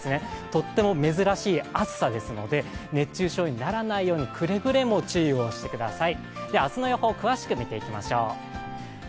とっても珍しい暑さですので熱中症にならないようにくれぐれも注意をしてください。